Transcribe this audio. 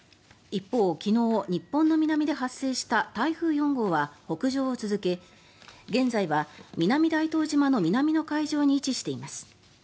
一方、昨日日本の南で発生した台風４号は北上を続け現在は南大東島の南の海上に位置しています。